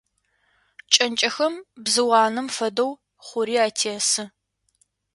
Кӏэнкӏэхэм, бзыу анэм фэдэу, хъури атесы.